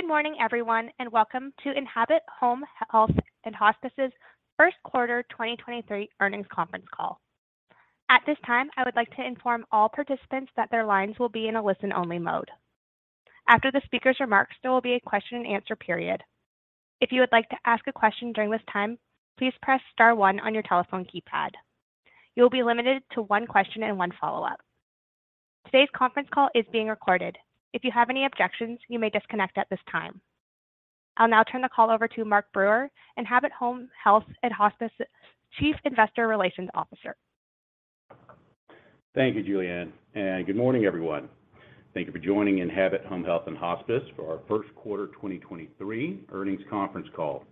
Good morning, everyone, welcome to Enhabit Home Health & Hospice's First Quarter 2023 Earnings Conference Call. At this time, I would like to inform all participants that their lines will be in a listen-only mode. After the speaker's remarks, there will be a question and answer period. If you would like to ask a question during this time, please press star one on your telephone keypad. You will be limited to one question and one follow-up. Today's conference call is being recorded. If you have any objections, you may disconnect at this time. I'll now turn the call over to Mark Brewer; Enhabit Home Health & Hospice's Chief Investor Relations Officer. Thank you, Julianne. Good morning, everyone. Thank you for joining Enhabit Home Health & Hospice for our First Quarter 2023 Earnings Conference Call.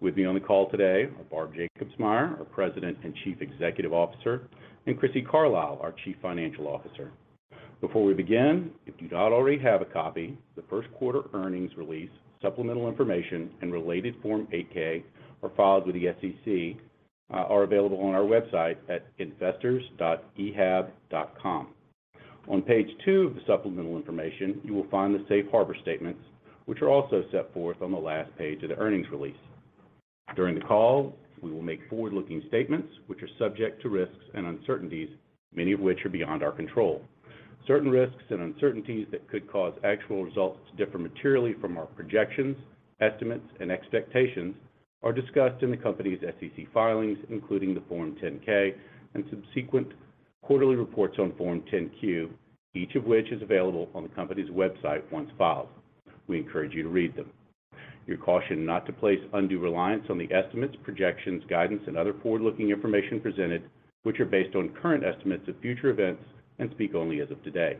With me on the call today are Barb Jacobsmeyer; our President and Chief Executive Officer, and Crissy Carlisle; our Chief Financial Officer. Before we begin, if you don't already have it, the First-Quarter Earnings Release, supplemental information, and the related Form 8-K are available on our website at investors.ehab.com. On page two of the supplemental information, you will find the safe harbor statements, which are also set forth on the last page of the earnings release. During the call, we will make forward-looking statements, which are subject to risks and uncertainties, many of which are beyond our control. Certain risks and uncertainties that could cause actual results to differ materially from our projections, estimates, and expectations are discussed in the company's SEC filings, including the Form 10-K and subsequent quarterly reports on Form 10-Q, each of which is available on the company's website once filed. We encourage you to read them. You're cautioned not to place undue reliance on the estimates, projections, guidance, and other forward-looking information presented, which are based on current estimates of future events and speak only as of today.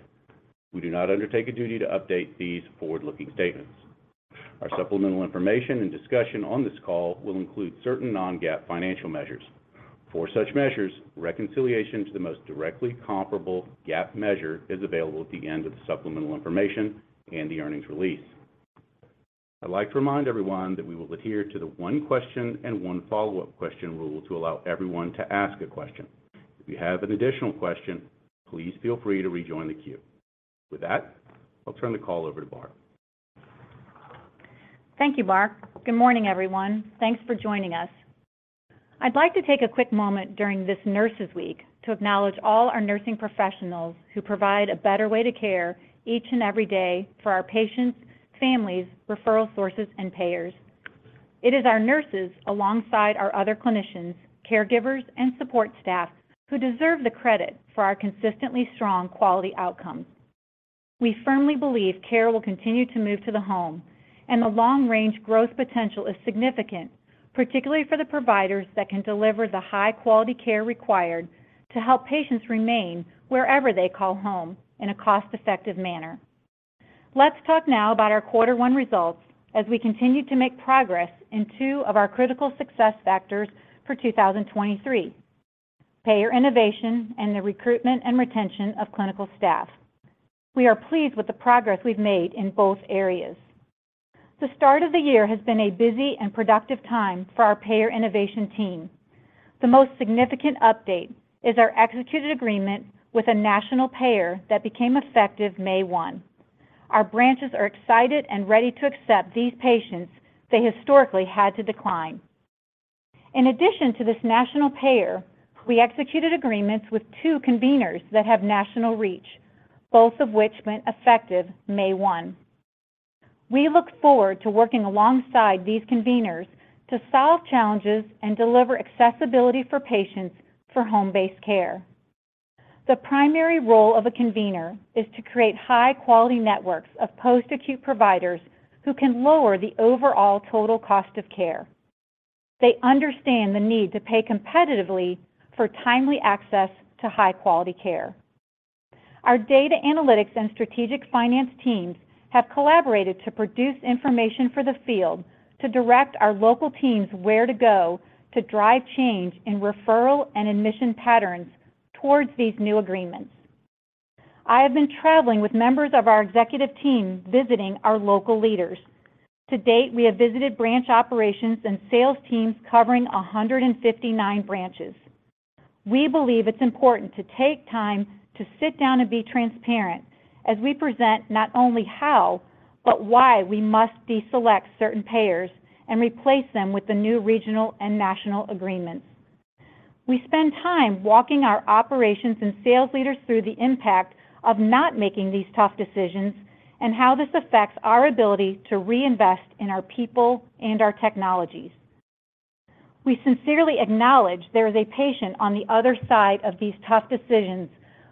We do not undertake a duty to update these forward-looking statements. Our supplemental information and discussion on this call will include certain non-GAAP financial measures. For such measures, reconciliation to the most directly comparable GAAP measure is available at the end of the supplemental information and the earnings release. I'd like to remind everyone that we will adhere to the one question and one follow-up question rule to allow everyone to ask a question. If you have an additional question, please feel free to rejoin the queue. With that, I'll turn the call over to Barb. Thank you, Mark. Good morning, everyone. Thanks for joining us. I'd like to take a quick moment during this Nurses Week to acknowledge all our nursing professionals who provide a better way to care each and every day for our patients, families, referral sources, and payers. It is our nurses, alongside our other clinicians, caregivers, and support staff, who deserve the credit for our consistently strong quality outcomes. We firmly believe care will continue to move to the home, and the long-range growth potential is significant, particularly for the providers that can deliver the high-quality care required to help patients remain wherever they call home in a cost-effective manner. Let's talk now about our quarter one results as we continue to make progress in two of our critical success factors for 2023: payer innovation and the recruitment and retention of clinical staff. We are pleased with the progress we've made in both areas. The start of the year has been a busy and productive time for our payer innovation team. The most significant update is our executed agreement with a national payer that became effective May 1. Our branches are excited and ready to accept these patients they historically had to decline. In addition to this national payer, we executed agreements with two conveners that have national reach, both of which went effective May 1. We look forward to working alongside these conveners to solve challenges and deliver accessibility for patients for home-based care. The primary role of a convener is to create high-quality networks of post-acute providers who can lower the overall total cost of care. They understand the need to pay competitively for timely access to high-quality care. Our data analytics and strategic finance teams have collaborated to produce information for the field to direct our local teams where to go to drive change in referral and admission patterns towards these new agreements. I have been traveling with members of our executive team visiting our local leaders. To date, we have visited branch operations and sales teams covering 159 branches. We believe it's important to take time to sit down and be transparent as we present not only how, but why we must deselect certain payers and replace them with the new regional and national agreements. We spend time walking our operations and sales leaders through the impact of not making these tough decisions and how this affects our ability to reinvest in our people and our technologies. We sincerely acknowledge there is a patient on the other side of these tough decisions,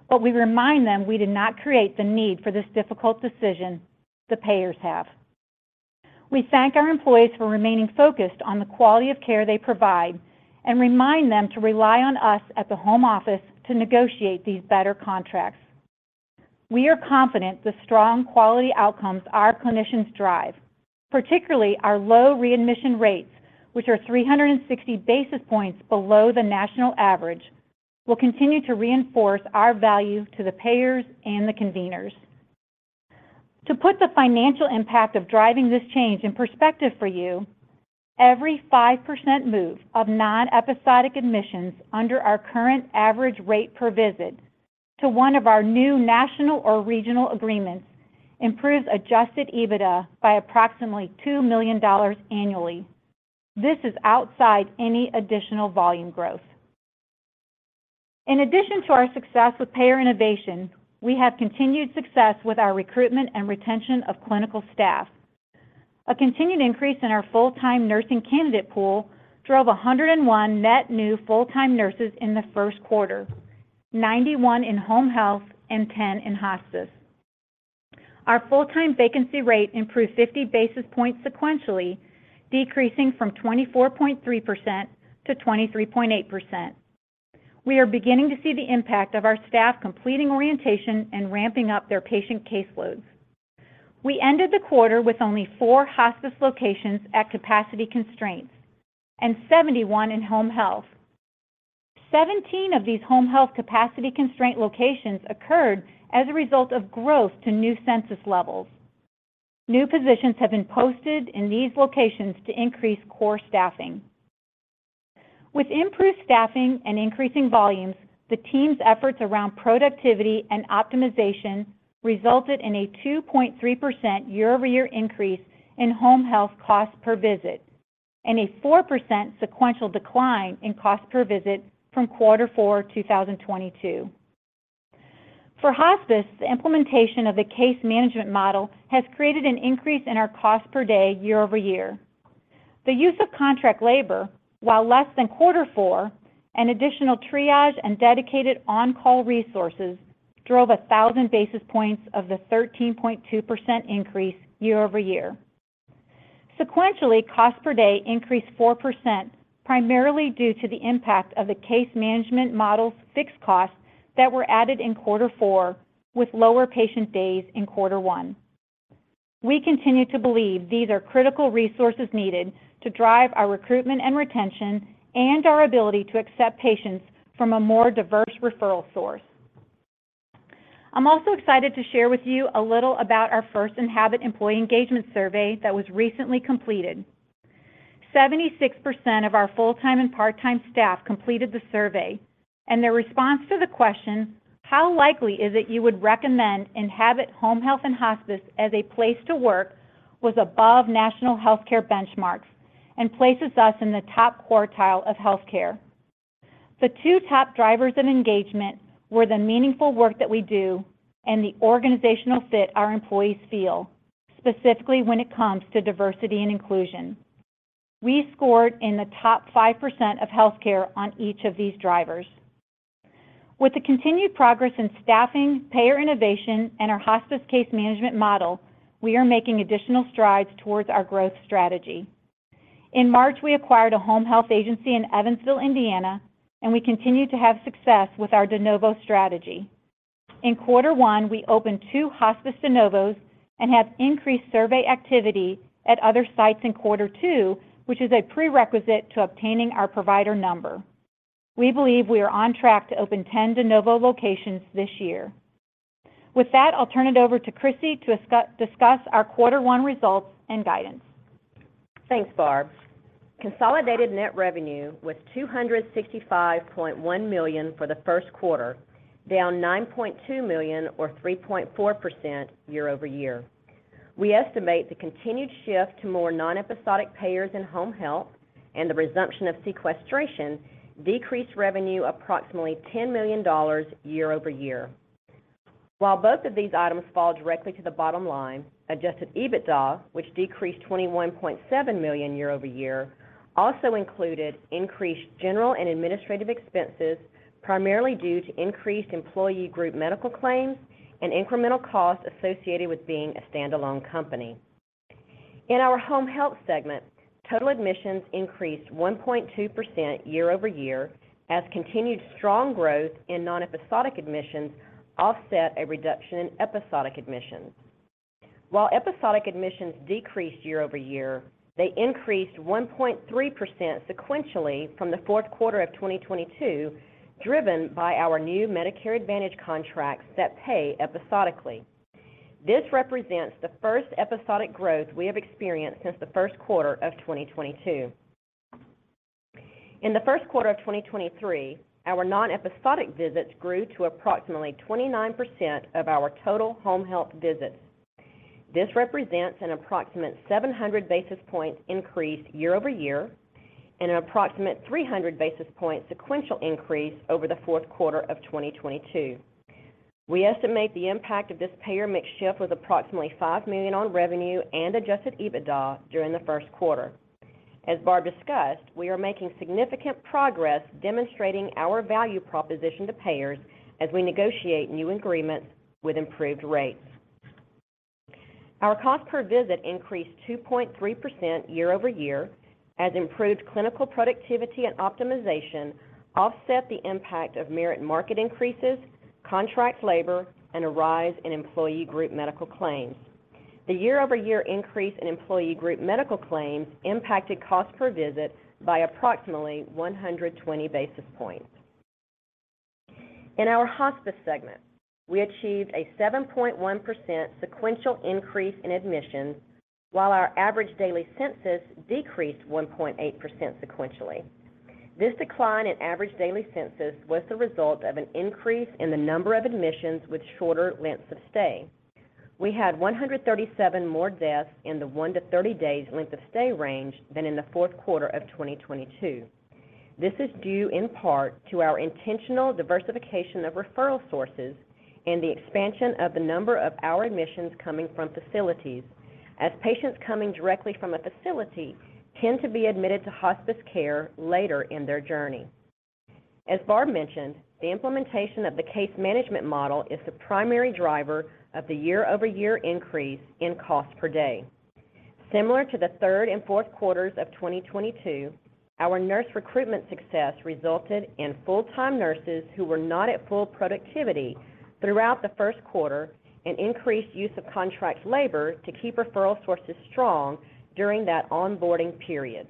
but we remind them we did not create the need for this difficult decision the payers have. We thank our employees for remaining focused on the quality of care they provide and remind them to rely on us at the home office to negotiate these better contracts. We are confident the strong quality outcomes our clinicians drive, particularly our low readmission rates, which are 360 basis points below the national average, will continue to reinforce our value to the payers and the conveners. To put the financial impact of driving this change in perspective for you. Every 5% move of non-episodic admissions under our current average rate per visit to one of our new national or regional agreements improves Adjusted EBITDA by approximately $2 million annually. This is outside any additional volume growth. In addition to our success with payer innovation, we have continued success with our recruitment and retention of clinical staff. A continued increase in our full-time nursing candidate pool drove 101 net new full-time nurses in the first quarter. 91 in home health and 10 in hospice. Our full-time vacancy rate improved 50 basis points sequentially, decreasing from 24.3% to 23.8%. We are beginning to see the impact of our staff completing orientation and ramping up their patient caseloads. We ended the quarter with only four hospice locations at capacity constraints and 71 in home health. 17 of these home health capacity constraint locations occurred as a result of growth to new census levels. New positions have been posted in these locations to increase core staffing. With improved staffing and increasing volumes, the team's efforts around productivity and optimization resulted in a 2.3% year-over-year increase in home health cost per visit and a 4% sequential decline in cost per visit from quarter four, 2022. For hospice, the implementation of the case management model has created an increase in our cost per day year-over-year. The use of contract labor, while less than quarter four, and additional triage and dedicated on-call resources drove 1,000 basis points of the 13.2% increase year-over-year. Sequentially, cost per day increased 4%, primarily due to the impact of the case management model's fixed costs that were added in quarter four with lower patient days in quarter one. We continue to believe these are critical resources needed to drive our recruitment and retention and our ability to accept patients from a more diverse referral source. I'm also excited to share with you a little about our first Enhabit employee engagement survey that was recently completed. 76% of our full-time and part-time staff completed the survey, and their response to the question, how likely is it you would recommend Enhabit Home Health & Hospice as a place to work, was above national healthcare benchmarks and places us in the top quartile of healthcare. The two top drivers of engagement were the meaningful work that we do and the organizational fit our employees feel, specifically when it comes to diversity and inclusion. We scored in the top 5% of healthcare on each of these drivers. With the continued progress in staffing, payer innovation, and our hospice case management model, we are making additional strides towards our growth strategy. In March, we acquired a home health agency in Evansville, Indiana, and we continue to have success with our de novo strategy. In quarter one, we opened two hospice de novos and have increased survey activity at other sites in quarter two, which is a prerequisite to obtaining our provider number. We believe we are on track to open 10 de novo locations this year. With that, I'll turn it over to Chrissy to discuss our quarter one results and guidance. Thanks, Barb. Consolidated net revenue was $265.1 million for the first quarter, down $9.2 million or 3.4% year-over-year. We estimate the continued shift to more non-episodic payers in home health and the resumption of sequestration decreased revenue approximately $10 million year-over-year. Both of these items fall directly to the bottom line, Adjusted EBITDA, which decreased $21.7 million year-over-year, also included increased General and Administrative expenses, primarily due to increased employee group medical claims and incremental costs associated with being a standalone company. In our home health segment, total admissions increased 1.2% year-over-year as continued strong growth in non-episodic admissions offset a reduction in episodic admissions. While episodic admissions decreased year-over-year, they increased 1.3% sequentially from the fourth quarter of 2022, driven by our new Medicare Advantage contracts that pay episodically. This represents the first episodic growth we have experienced since the first quarter of 2022. In the first quarter of 2023, our non-episodic visits grew to approximately 29% of our total home health visits. This represents an approximate 700 basis points increase year-over-year and an approximate 300 basis points sequential increase over the fourth quarter of 2022. We estimate the impact of this payer mix shift was approximately $5 million on revenue and Adjusted EBITDA during the first quarter. As Barb discussed, we are making significant progress demonstrating our value proposition to payers as we negotiate new agreements with improved rates. Our cost per visit increased 2.3% year-over-year as improved clinical productivity and optimization offset the impact of merit market increases, contract labor, and a rise in employee group medical claims. The year-over-year increase in employee group medical claims impacted cost per visit by approximately 120 basis points. In our hospice segment, we achieved a 7.1% sequential increase in admissions, while our average daily census decreased 1.8% sequentially. This decline in average daily census was the result of an increase in the number of admissions with shorter lengths of stay. We had 137 more deaths in the 1-30 days length of stay range than in the fourth quarter of 2022. This is due in part to our intentional diversification of referral sources and the expansion of the number of our admissions coming from facilities, as patients coming directly from a facility tend to be admitted to hospice care later in their journey. As Barb mentioned, the implementation of the case management model is the primary driver of the year-over-year increase in cost per day. Similar to the third and fourth quarters of 2022, our nurse recruitment success resulted in full-time nurses who were not at full productivity throughout the first quarter and increased use of contract labor to keep referral sources strong during that onboarding period.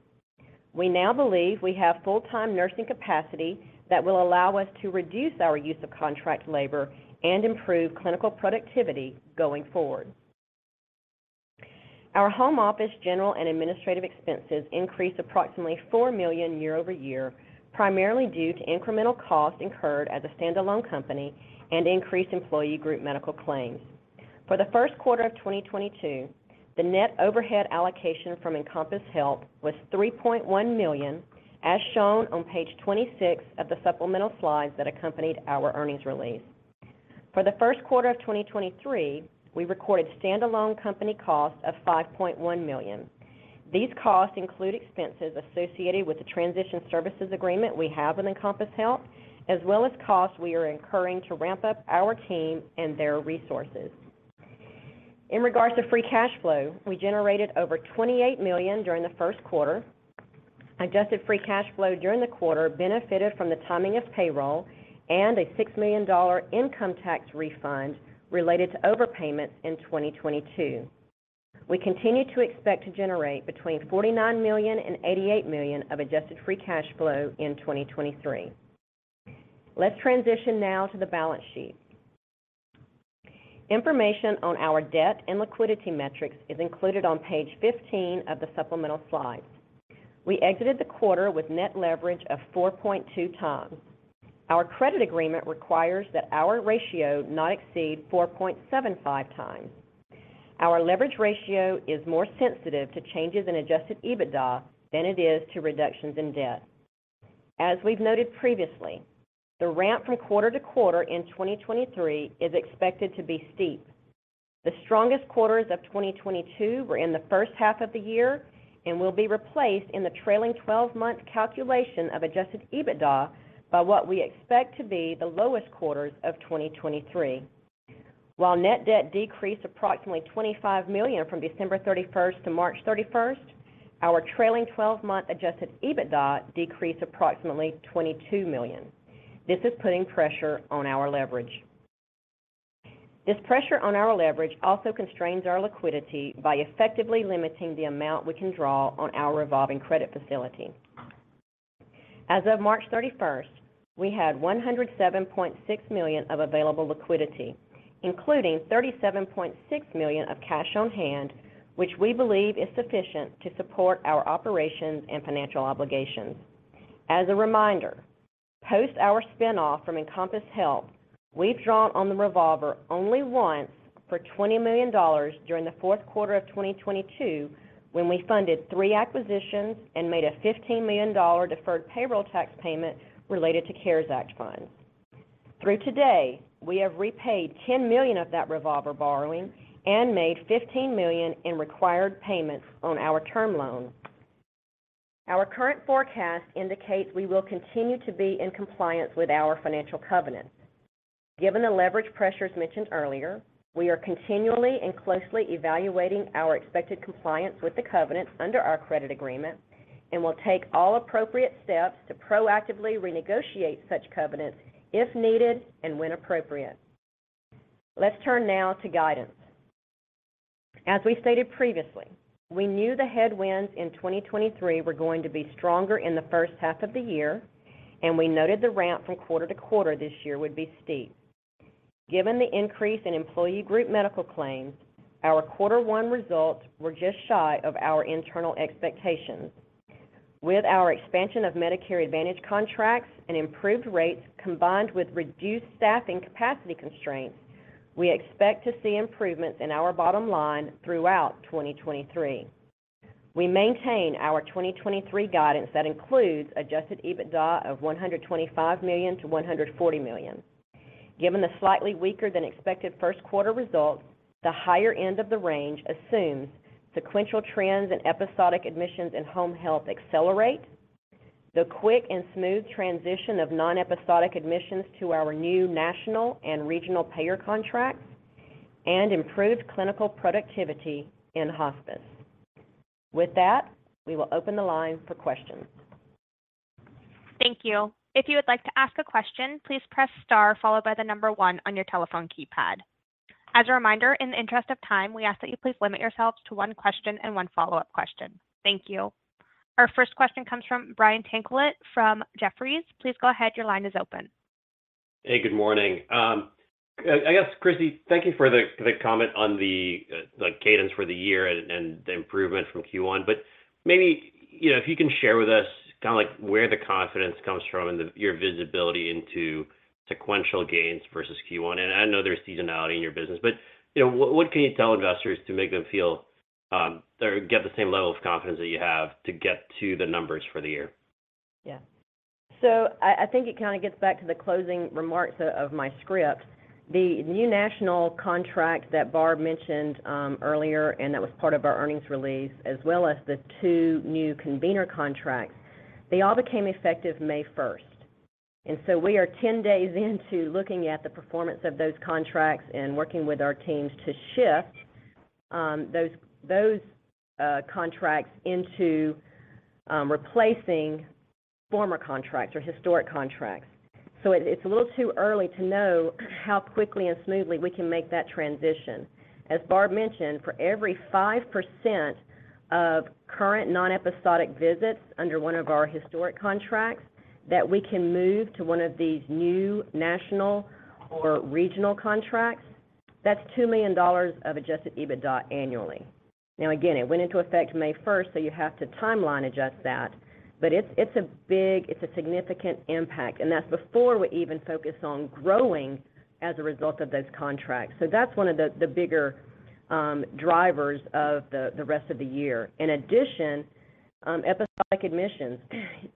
We now believe we have full-time nursing capacity that will allow us to reduce our use of contract labor and improve clinical productivity going forward. Our home office General and Administrative expenses increased approximately $4 million year-over-year, primarily due to incremental costs incurred as a standalone company and increased employee group medical claims. For the first quarter of 2022, the net overhead allocation from Encompass Health was $3.1 million, as shown on page 26 of the supplemental slides that accompanied our earnings release. For the first quarter of 2023, we recorded standalone company costs of $5.1 million. These costs include expenses associated with the Transition Services Agreement we have with Encompass Health, as well as costs we are incurring to ramp up our team and their resources. In regards to free cash flow, we generated over $28 million during the first quarter. Adjusted free cash flow during the quarter benefited from the timing of payroll and a $6 million income tax refund related to overpayments in 2022. We continue to expect to generate between $49 million and $88 million of adjusted free cash flow in 2023. Let's transition now to the balance sheet. Information on our debt and liquidity metrics is included on page 15 of the supplemental slides. We exited the quarter with net leverage of 4.2x. Our credit agreement requires that our ratio not exceed 4.75x. Our leverage ratio is more sensitive to changes in Adjusted EBITDA than it is to reductions in debt. As we've noted previously, the ramp from quarter to quarter in 2023 is expected to be steep. The strongest quarters of 2022 were in the first half of the year and will be replaced in the trailing twelve-month calculation of Adjusted EBITDA by what we expect to be the lowest quarters of 2023. While net debt decreased approximately $25 million from December 31st to March 31, our trailing twelve-month Adjusted EBITDA decreased approximately $22 million. This is putting pressure on our leverage. This pressure on our leverage also constrains our liquidity by effectively limiting the amount we can draw on our revolving credit facility. As of March 31, we had $107.6 million of available liquidity, including $37.6 million of cash on hand, which we believe is sufficient to support our operations and financial obligations. As a reminder, post our spin-off from Encompass Health, we've drawn on the revolver only once for $20 million during the fourth quarter of 2022, when we funded three acquisitions and made a $15 million deferred payroll tax payment related to CARES Act funds. Through today, we have repaid $10 million of that revolver borrowing and made $15 million in required payments on our term loan. Our current forecast indicates we will continue to be in compliance with our financial covenants. Given the leverage pressures mentioned earlier, we are continually and closely evaluating our expected compliance with the covenants under our credit agreement and will take all appropriate stEPS to proactively renegotiate such covenants if needed and when appropriate. Let's turn now to guidance. As we stated previously, we knew the headwinds in 2023 were going to be stronger in the first half of the year, and we noted the ramp from quarter to quarter this year would be steep. Given the increase in employee group medical claims, our Q1 results were just shy of our internal expectations. With our expansion of Medicare Advantage contracts and improved rates combined with reduced staffing capacity constraints, we expect to see improvements in our bottom line throughout 2023. We maintain our 2023 guidance that includes Adjusted EBITDA of $125-140 million. Given the slightly weaker than expected first quarter results, the higher end of the range assumes sequential trends in episodic admissions and home health accelerate, the quick and smooth transition of non-episodic admissions to our new national and regional payer contracts, and improved clinical productivity in hospice. With that, we will open the line for questions. Thank you. If you would like to ask a question, please press star followed by one on your telephone keypad. As a reminder, in the interest of time, we ask that you please limit yourselves to one question and one follow-up question. Thank you. Our first question comes from Brian Tanquilut from Jefferies. Please go ahead. Your line is open. Hey, good morning. I guess, Chrissy, thank you for the comment on the like cadence for the year and the improvement from Q1. Maybe, you know, if you can share with us kinda like where the confidence comes from and your visibility into sequential gains versus Q1, I know there's seasonality in your business, but, you know, what can you tell investors to make them feel, or get the same level of confidence that you have to get to the numbers for the year? I think it kinda gets back to the closing remarks of my script. The new national contract that Barb mentioned earlier, and that was part of our earnings release, as well as the two new convener contracts, they all became effective May 1st. We are 10 days into looking at the performance of those contracts and working with our teams to shift those contracts into replacing former contracts or historic contracts. It's a little too early to know how quickly and smoothly we can make that transition. As Barb mentioned, for every 5% of current non-episodic visits under one of our historic contracts that we can move to one of these new national or regional contracts, that's $2 million of Adjusted EBITDA annually. Again, it went into effect May 1, so you have to timeline adjust that. It's a significant impact, and that's before we even focus on growing as a result of those contracts. That's one of the bigger drivers of the rest of the year. In addition, episodic admissions.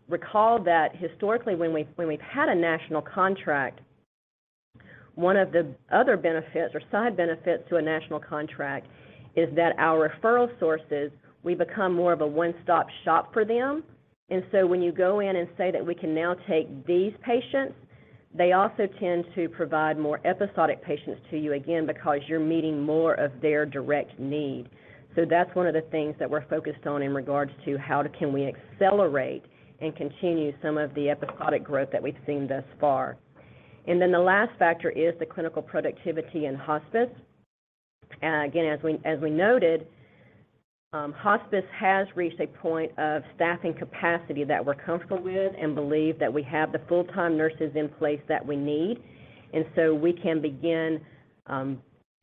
Recall that historically when we've had a national contract, one of the other benefits or side benefits to a national contract is that our referral sources, we become more of a one-stop shop for them. When you go in and say that we can now take these patients, they also tend to provide more episodic patients to you, again, because you're meeting more of their direct need. That's one of the things that we're focused on in regards to how can we accelerate and continue some of the episodic growth that we've seen thus far. The last factor is the clinical productivity in hospice. Again, as we noted, hospice has reached a point of staffing capacity that we're comfortable with and believe that we have the full-time nurses in place that we need. We can begin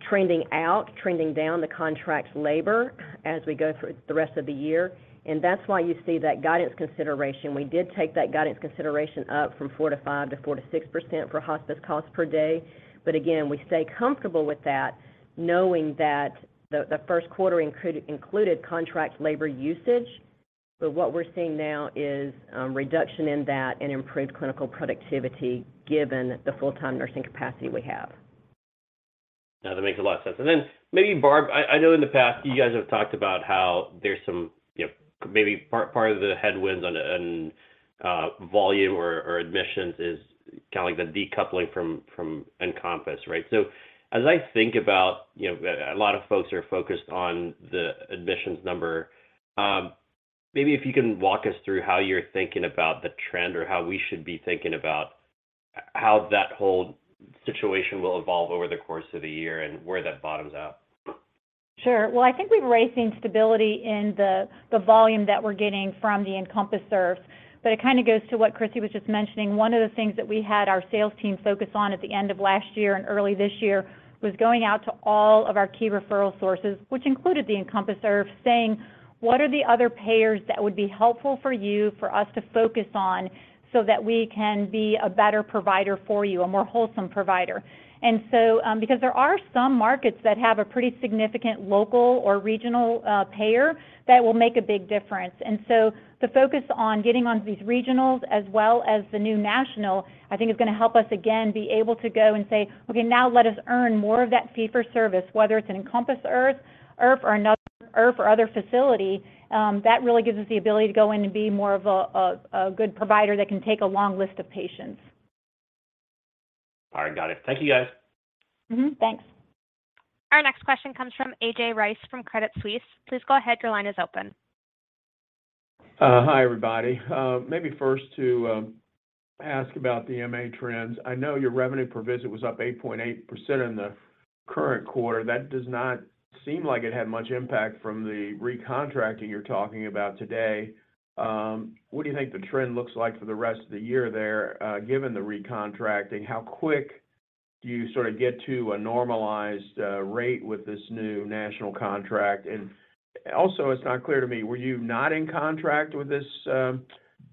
trending out, trending down the contract labor as we go through the rest of the year, and that's why you see that guidance consideration. We did take that guidance consideration up from 4%-5% to 4%-6% for hospice cost per day. Again, we stay comfortable with that knowing that the first quarter included contract labor usage. What we're seeing now is reduction in that and improved clinical productivity given the full-time nursing capacity we have. No, that makes a lot of sense. Maybe Barb, I know in the past you guys have talked about how there's some, you know, maybe part of the headwinds on a, on volume or admissions is kinda like the decoupling from Encompass, right? As I think about, you know, a lot of folks are focused on the admissions number, maybe if you can walk us through how you're thinking about the trend or how we should be thinking about how that whole situation will evolve over the course of the year and where that bottoms out? Sure. Well, I think we've raised some stability in the volume that we're getting from the Encompass serves. It kinda goes to what Crissy was just mentioning. One of the things that we had our sales team focus on at the end of last year and early this year was going out to all of our key referral sources, which included the Encompass serve, saying, "What are the other payers that would be helpful for you for us to focus on so that we can be a better provider for you, a more wholesome provider?" Because there are some markets that have a pretty significant local or regional payer, that will make a big difference. The focus on getting onto these regionals as well as the new national I think is gonna help us again be able to go and say, "Okay, now let us earn more of that fee for service, whether it's an Encompass Health, IRF or another IRF or other facility," that really gives us the ability to go in and be more of a good provider that can take a long list of patients. All right. Got it. Thank you, guys. Mm-hmm. Thanks. Our next question comes from A.J. Rice from Credit Suisse. Please go ahead. Your line is open. Hi, everybody. Maybe first to ask about the MA trends. I know your revenue per visit was up 8.8% in the current quarter. That does not seem like it had much impact from the recontracting you're talking about today. What do you think the trend looks like for the rest of the year there, given the recontracting? How quick do you sort of get to a normalized rate with this new national contract? Also, it's not clear to me, were you not in contract with this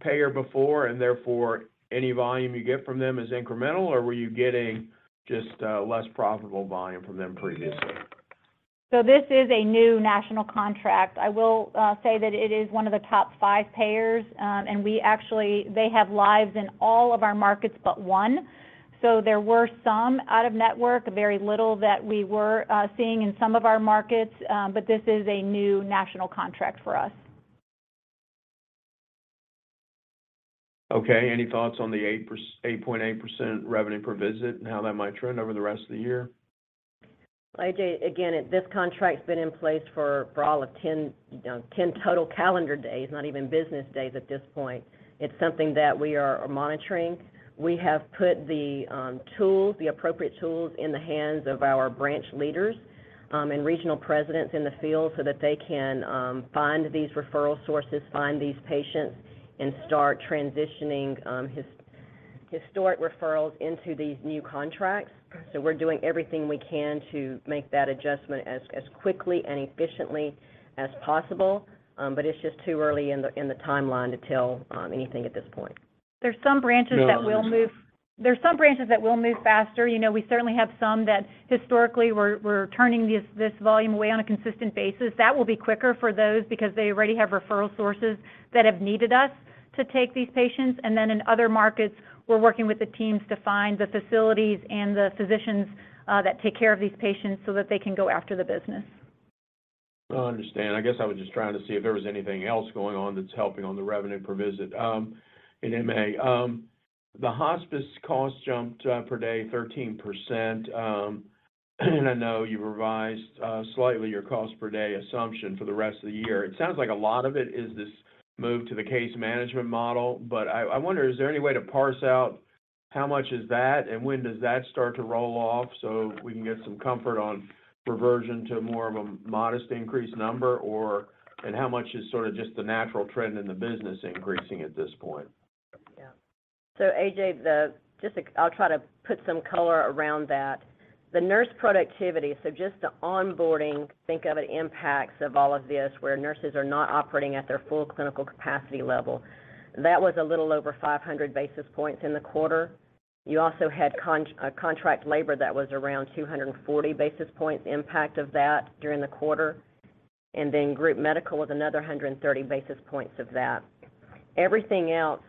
payer before, and therefore any volume you get from them is incremental, or were you getting just less profitable volume from them previously? This is a new national contract. I will say that it is one of the top five payers. They have lives in all of our markets but one. There were some out-of-network, very little that we were seeing in some of our markets. This is a new national contract for us. Okay. Any thoughts on the 8.8% revenue per visit and how that might trend over the rest of the year? A.J., again, this contract's been in place for all of 10, you know, 10 total calendar days, not even business days at this point. It's something that we are monitoring. We have put the tools, the appropriate tools in the hands of our branch leaders, and regional presidents in the field so that they can find these referral sources, find these patients, and start transitioning historic referrals into these new contracts. We're doing everything we can to make that adjustment as quickly and efficiently as possible. It's just too early in the timeline to tell anything at this point. There's some branches that will. No, I under- There's some branches that will move faster. You know, we certainly have some that historically were turning this volume away on a consistent basis. That will be quicker for those because they already have referral sources that have needed us to take these patients. In other markets, we're working with the teams to find the facilities and the physicians that take care of these patients so that they can go after the business. I understand. I guess I was just trying to see if there was anything else going on that's helping on the revenue per visit in MA. The hospice costs jumped per day 13%. I know you revised slightly your cost per day assumption for the rest of the year. It sounds like a lot of it is this move to the case management model. I wonder, is there any way to parse out how much is that and when does that start to roll off so we can get some comfort on reversion to more of a modest increase number and how much is sort of just the natural trend in the business increasing at this point? Yeah. AJ, I'll try to put some color around that. The nurse productivity, so just the onboarding, think of it, impacts of all of this, where nurses are not operating at their full clinical capacity level. That was a little over 500 basis points in the quarter. You also had a contract labor that was around 240 basis points impact of that during the quarter, and then group medical was another 130 basis points of that. Everything else,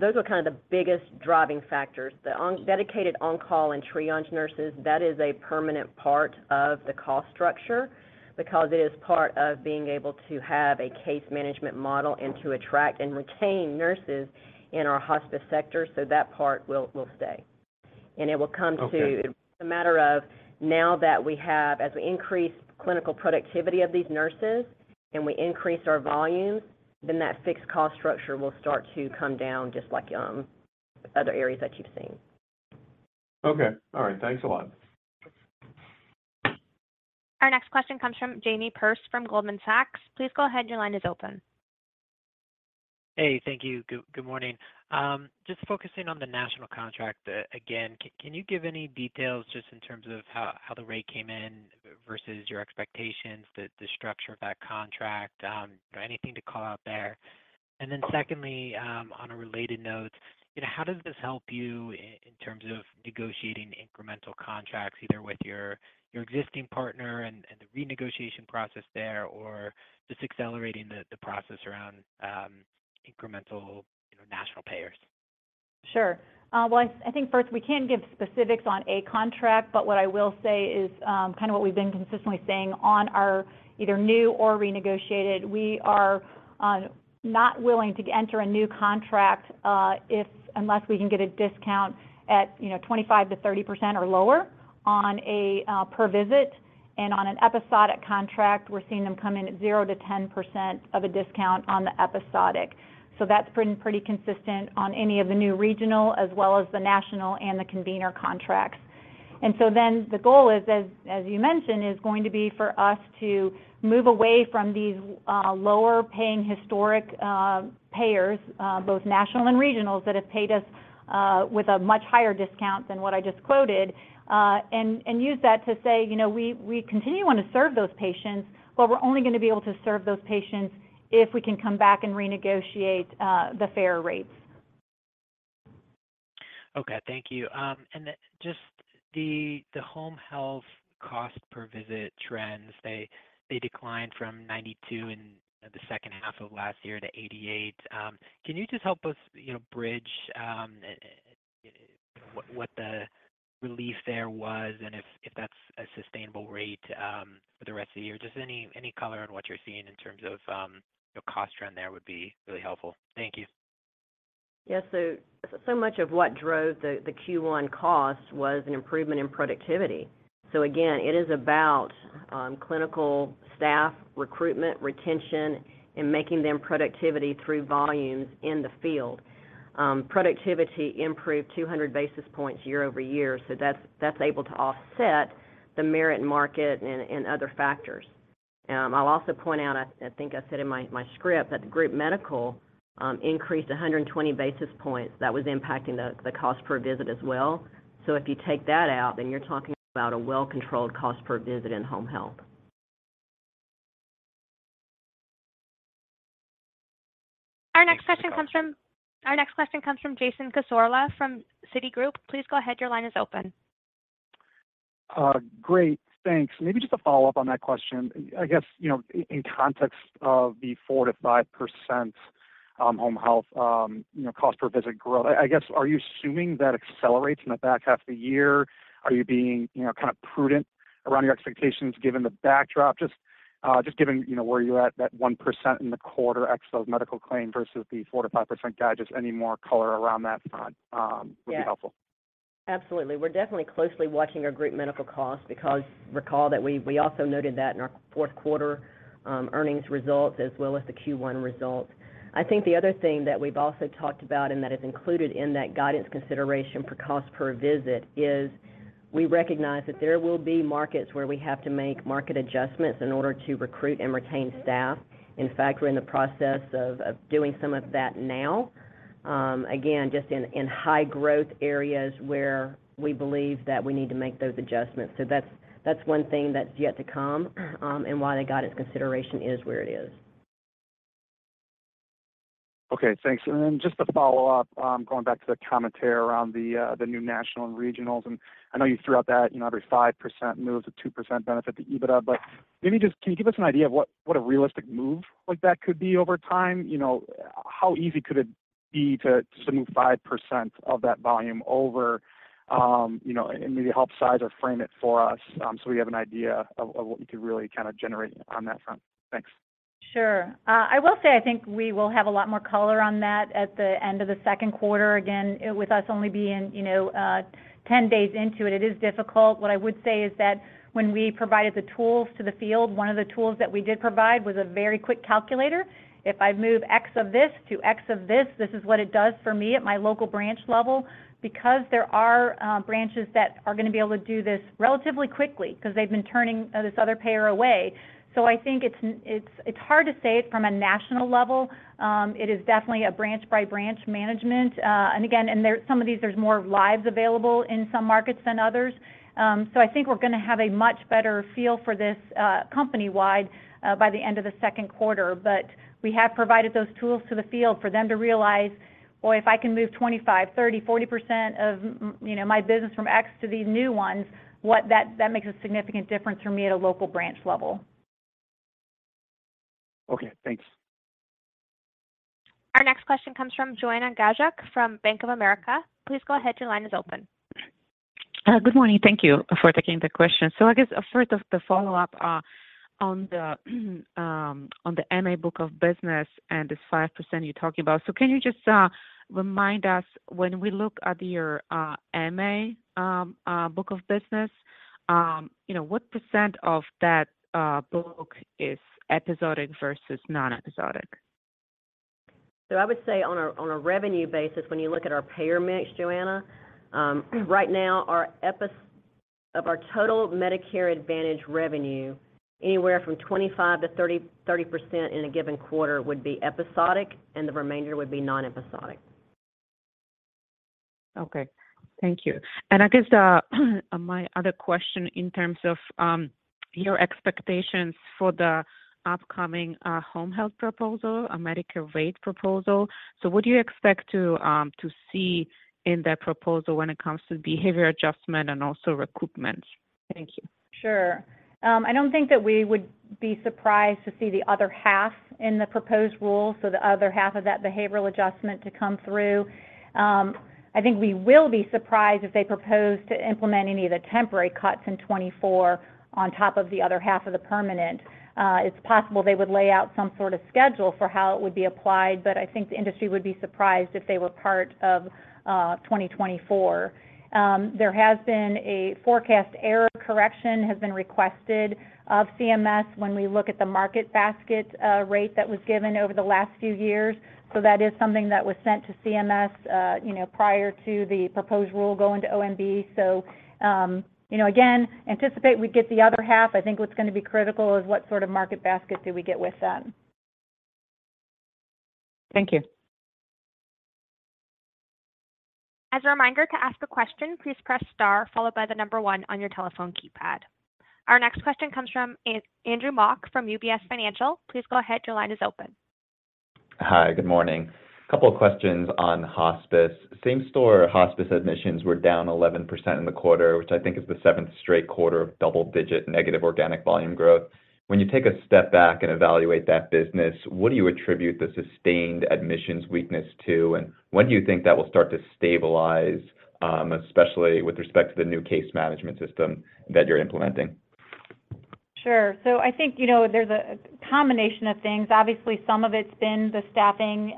Those were kind of the biggest driving factors. The on-dedicated on-call and triage nurses, that is a permanent part of the cost structure because it is part of being able to have a case management model and to attract and retain nurses in our hospice sector. That part will stay. It will come to. Okay. It's a matter of now that as we increase clinical productivity of these nurses and we increase our volumes, then that fixed cost structure will start to come down just like other areas that you've seen. Okay. All right. Thanks a lot. Our next question comes from Jamie Perse from Goldman Sachs. Please go ahead. Your line is open. Hey, thank you. Good morning. Just focusing on the national contract, again, can you give any details just in terms of how the rate came in versus your expectations, the structure of that contract, anything to call out there? Secondly, on a related note, you know, how does this help you in terms of negotiating incremental contracts, either with your existing partner and the renegotiation process there, or just accelerating the process around incremental, you know, national payers? Sure. Well, I think first, we can't give specifics on a contract, but what I will say is, kinda what we've been consistently saying on our either new or renegotiated. We are not willing to enter a new contract, unless we can get a discount at, you know, 25%-30% or lower on a per visit. On an episodic contract, we're seeing them come in at 0%-10% of a discount on the episodic. That's been pretty consistent on any of the new regional as well as the national and the convener contracts. The goal is, as you mentioned, is going to be for us to move away from these lower paying historic payers, both national and regionals, that have paid us with a much higher discount than what I just quoted and use that to say, you know, we continue wanting to serve those patients, but we're only gonna be able to serve those patients if we can come back and renegotiate the fair rates. Okay, thank you. Just the home health cost per visit trends, they declined from $92 in the second half of last year to $88. Can you just help us, you know, bridge what the relief there was and if that's a sustainable rate for the rest of the year? Just any color on what you're seeing in terms of the cost trend there would be really helpful. Thank you. Yes. So much of what drove the Q1 cost was an improvement in productivity. Again, it is about clinical staff recruitment, retention, and making them productivity through volumes in the field. Productivity improved 200 basis points year-over-year, so that's able to offset the merit market and other factors. I'll also point out, I think I said in my script, that the group medical increased 120 basis points. That was impacting the cost per visit as well. If you take that out, then you're talking about a well-controlled cost per visit in home health. Our next question comes from Jason Cassorla from Citigroup. Please go ahead. Your line is open. Great. Thanks. Maybe just a follow-up on that question. I guess, you know, in context of the 4%-5% home health, you know, cost per visit growth, I guess, are you assuming that accelerates in the back half of the year? Are you being, you know, kind of prudent? Around your expectations given the backdrop. Just given, you know, where you at, that 1% in the quarter expo medical claim versus the 4%-5% guide. Just any more color around that front would be helpful. Absolutely. We're definitely closely watching our group medical costs because recall that we also noted that in our fourth quarter earnings results as well as the Q1 results. I think the other thing that we've also talked about and that is included in that guidance consideration for cost per visit is we recognize that there will be markets where we have to make market adjustments in order to recruit and retain staff. In fact, we're in the process of doing some of that now. Again, just in high growth areas where we believe that we need to make those adjustments. That's one thing that's yet to come and why the guidance consideration is where it is. Okay, thanks. Just to follow up, going back to the commentary around the new national and regionals, and I know you threw out that, you know, every 5% moves a 2% benefit to EBITDA, but maybe just can you give us an idea of what a realistic move like that could be over time? You know, how easy could it be to just to move 5% of that volume over? You know, and maybe help size or frame it for us, so we have an idea of what you could really kind of generate on that front. Thanks. Sure. I will say I think we will have a lot more color on that at the end of the second quarter. Again, with us only being, you know, 10 days into it is difficult. What I would say is that when we provided the tools to the field, one of the tools that we did provide was a very quick calculator. If I move X of this to X of this is what it does for me at my local branch level because there are branches that are gonna be able to do this relatively quickly 'cause they've been turning this other payer away. I think it's hard to say from a national level. It is definitely a branch by branch management. Again, some of these, there's more lives available in some markets than others. I think we're gonna have a much better feel for this company-wide by the end of the second quarter. We have provided those tools to the field for them to realize, boy, if I can move 25%, 30%, 40% of you know, my business from X to these new ones, what that makes a significant difference for me at a local branch level. Okay, thanks. Our next question comes from Joanna Gajuk from Bank of America. Please go ahead, your line is open. Good morning. Thank you for taking the question. I guess a sort of the follow-up on the MA book of business and this 5% you're talking about. Can you just remind us when we look at your MA book of business, you know, what percent of that book is episodic versus non-episodic? I would say on a revenue basis, when you look at our payer mix, Joanna, right now Of our total Medicare Advantage revenue, anywhere from 25%-30% in a given quarter would be episodic, and the remainder would be non-episodic. Okay. Thank you. My other question in terms of your expectations for the upcoming home health proposal, a Medicare rate proposal. What do you expect to see in that proposal when it comes to behavioral adjustment and also recoupment? Thank you. Sure. I don't think that we would be surprised to see the other half in the proposed rule, so the other half of that behavioral adjustment to come through. I think we will be surprised if they propose to implement any of the temporary cuts in 2024 on top of the other half of the permanent. It's possible they would lay out some sort of schedule for how it would be applied, but I think the industry would be surprised if they were part of, 2024. There has been a forecast error correction has been requested of CMS when we look at the market basket, rate that was given over the last few years. That is something that was sent to CMS, you know, prior to the proposed rule going to OMB. you know, again, anticipate we get the other half. I think what's gonna be critical is what sort of market basket do we get with them. Thank you. As a reminder to ask a question, please press star followed by the number one on your telephone keypad. Our next question comes from Andrew Mok from UBS Financial. Please go ahead, your line is open. Hi, good morning. A couple of questions on hospice. Same-store hospice admissions were down 11% in the quarter, which I think is the seventh straight quarter of double-digit negative organic volume growth. When you take a step back and evaluate that business, what do you attribute the sustained admissions weakness to, and when do you think that will start to stabilize, especially with respect to the new case management system that you're implementing? Sure. I think, you know, there's a combination of things. Obviously, some of it's been the staffing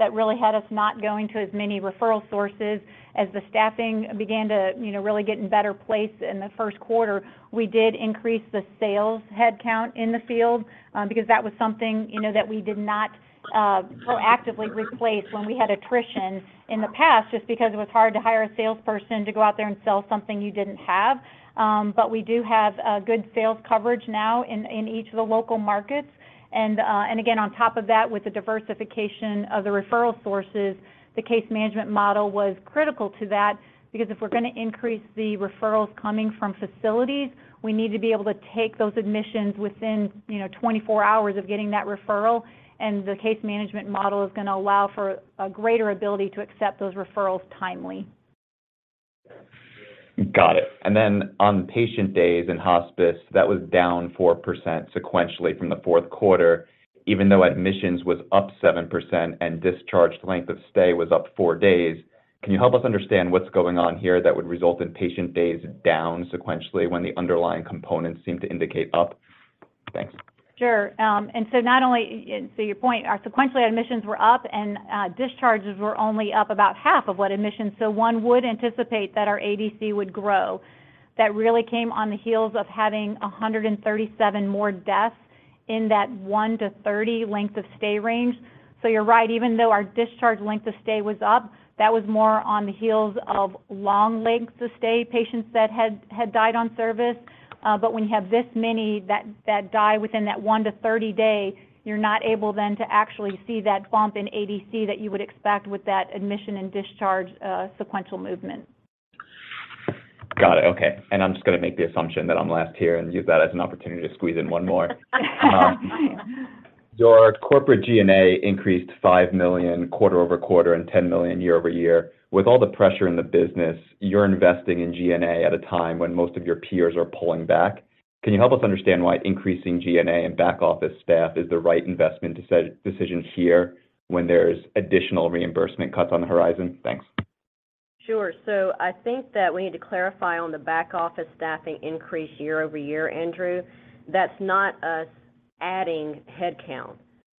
that really had us not going to as many referral sources. As the staffing began to, you know, really get in better place in the first quarter, we did increase the sales headcount in the field, because that was something, you know, that we did not proactively replace when we had attrition in the past, just because it was hard to hire a salesperson to go out there and sell something you didn't have. We do have a good sales coverage now in each of the local markets. Again, on top of that, with the diversification of the referral sources, the case management model was critical to that because if we're gonna increase the referrals coming from facilities, we need to be able to take those admissions within, you know, 24 hours of getting that referral. The case management model is gonna allow for a greater ability to accept those referrals timely. Got it. On patient days in hospice, that was down 4% sequentially from the fourth quarter, even though admissions was up 7% and discharge length of stay was up 4 days. Can you help us understand what's going on here that would result in patient days down sequentially when the underlying components seem to indicate up? Thanks. Sure. To your point, our sequentially admissions were up and discharges were only up about half of what admissions. One would anticipate that our ADC would grow. That really came on the heels of having 137 more deaths in that 1-30 length of stay range. You're right, even though our discharge length of stay was up, that was more on the heels of long lengths of stay, patients that had died on service. When you have this many that die within that 1-30 day, you're not able then to actually see that bump in ADC that you would expect with that admission and discharge sequential movement. Got it. Okay. I'm just gonna make the assumption that I'm last here and use that as an opportunity to squeeze in one more. Your corporate G&A increased $5 million quarter-over-quarter and $10 million year-over-year. With all the pressure in the business, you're investing in G&A at a time when most of your peers are pulling back. Can you help us understand why increasing G&A and back office staff is the right investment decision here when there's additional reimbursement cuts on the horizon? Thanks. Sure. I think that we need to clarify on the back office staffing increase year-over-year, Andrew. That's not us adding headcount.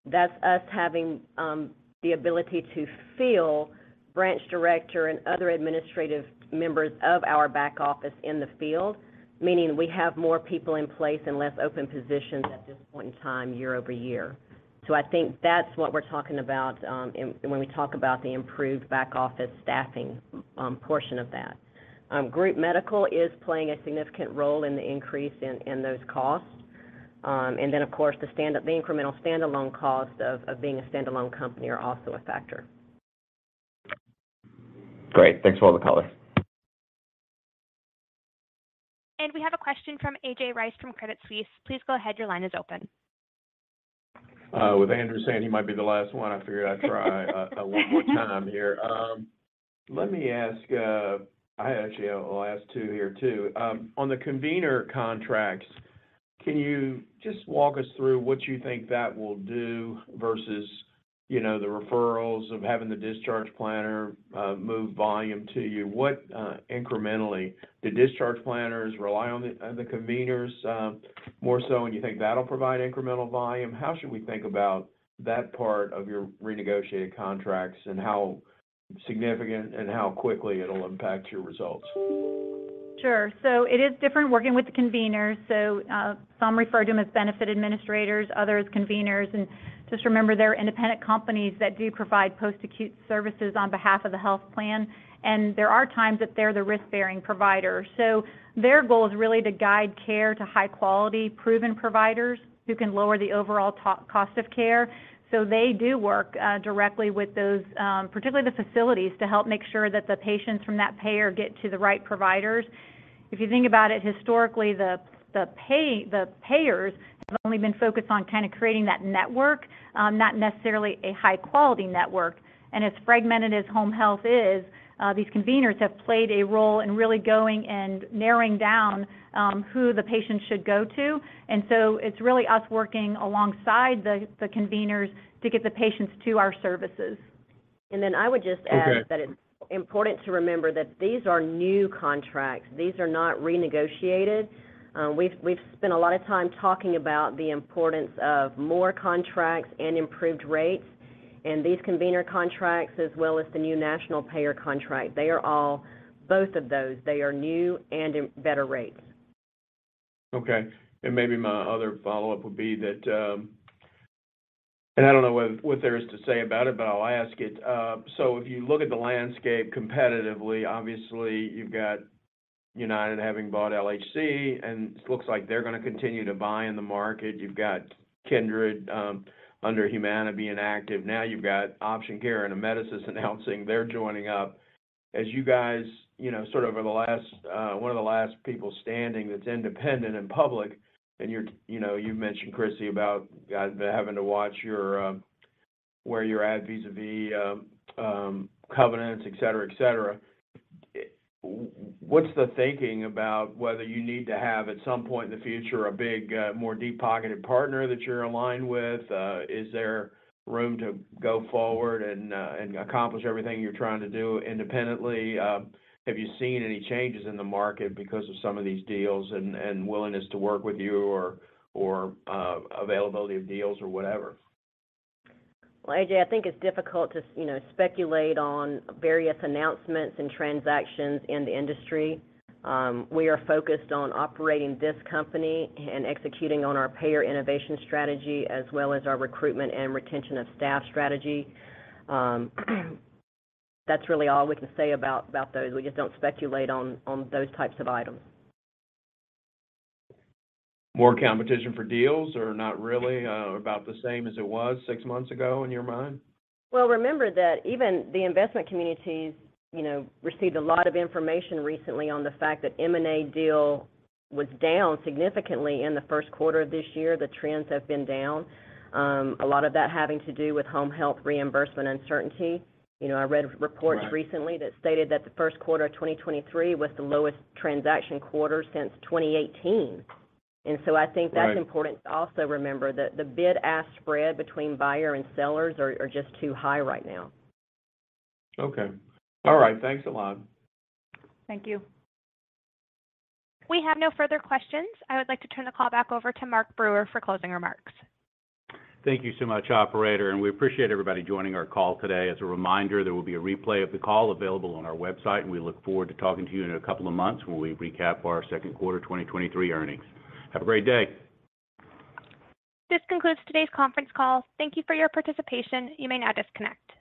That's us having the ability to fill branch director and other administrative members of our back office in the field, meaning we have more people in place and less open positions at this point in time year-over-year. I think that's what we're talking about, when we talk about the improved back office staffing, portion of that. group medical is playing a significant role in the increase in those costs. Of course, the incremental stand-alone cost of being a stand-alone company are also a factor. Great. Thanks for all the color. We have a question from A.J. Rice from Credit Suisse. Please go ahead, your line is open. With Andrew saying he might be the last one, I figured I'd try one more time here. Let me ask. I actually have the last two here too. On the convener contracts, can you just walk us through what you think that will do versus, you know, the referrals of having the discharge planner move volume to you? What incrementally? Do discharge planners rely on the conveners more so, and you think that'll provide incremental volume? How should we think about that part of your renegotiated contracts and how significant and how quickly it'll impact your results? Sure. It is different working with the conveners. Some refer to them as benefit administrators, others conveners. Just remember, they're independent companies that do provide post-acute services on behalf of the health plan, and there are times that they're the risk-bearing provider. Their goal is really to guide care to high quality proven providers who can lower the overall co-cost of care. They do work directly with those, particularly the facilities, to help make sure that the patients from that payer get to the right providers. If you think about it historically, the payers have only been focused on kind of creating that network, not necessarily a high quality network. As fragmented as home health is, these conveners have played a role in really going and narrowing down, who the patient should go to. It's really us working alongside the conveners to get the patients to our services. Okay It's important to remember that these are new contracts. These are not renegotiated. We've spent a lot of time talking about the importance of more contracts and improved rates, and these convener contracts as well as the new national payer contract, both of those, they are new and better rates. Okay. Maybe my other follow-up would be that, I don't know what there is to say about it, but I'll ask it. If you look at the landscape competitively, obviously you've got United having bought LHC, and it looks like they're gonna continue to buy in the market. You've got Kindred, under Humana being active. Now you've got Option Care and Amedisys announcing they're joining up. As you guys, you know, sort of are the last, one of the last people standing that's independent and public, and you're, you know... you've mentioned, Chrissy, about having to watch your where you're at vis-à-vis covenants, et cetera, et cetera. What's the thinking about whether you need to have, at some point in the future, a big, more deep-pocketed partner that you're aligned with? Is there room to go forward and accomplish everything you're trying to do independently? Have you seen any changes in the market because of some of these deals and willingness to work with you or availability of deals or whatever? Well, AJ, I think it's difficult to you know, speculate on various announcements and transactions in the industry. We are focused on operating this company and executing on our payer innovation strategy as well as our recruitment and retention of staff strategy. That's really all we can say about those. We just don't speculate on those types of items. More competition for deals or not really? About the same as it was six months ago in your mind? Remember that even the investment communities, you know, received a lot of information recently on the fact that M&A deal was down significantly in the first quarter of this year. The trends have been down. A lot of that having to do with home health reimbursement uncertainty. You know, I read reports-. Right... recently that stated that the 1st quarter of 2023 was the lowest transaction quarter since 2018. I think that's- Right... important to also remember that the bid-ask spread between buyer and sellers are just too high right now. Okay. All right. Thanks a lot. Thank you. We have no further questions. I would like to turn the call back over to Mark Brewer for closing remarks. Thank you so much, operator. We appreciate everybody joining our call today. As a reminder, there will be a replay of the call available on our website. We look forward to talking to you in a couple of months when we recap our second quarter 2023 earnings. Have a great day. This concludes today's conference call. Thank you for your participation. You may now disconnect.